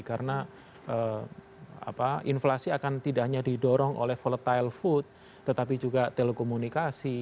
karena inflasi akan tidak hanya didorong oleh volatile food tetapi juga telekomunikasi